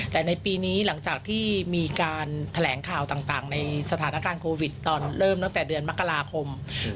แต่ในปีนี้หลังจากที่มีการแถลงข่าวต่างในสถานการณ์โควิดตอนเริ่มตั้งแต่เดือนมกราคม